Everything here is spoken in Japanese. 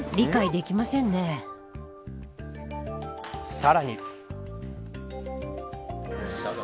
さらに。